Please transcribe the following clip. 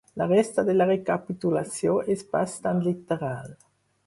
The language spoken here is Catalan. La resta de la recapitulació és bastant literal.